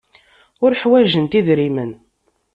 Ur ḥwajent idrimen.